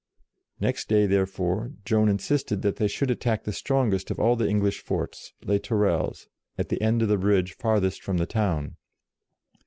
Next day, therefore, Joan insisted that they should attack the strongest of all the English forts, Les Tourelles, at the end of the bridge farthest from the town.